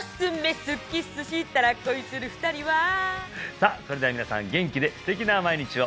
さあそれでは皆さん元気で素敵な毎日を！